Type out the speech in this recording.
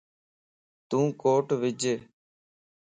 تون ڪوٽ وج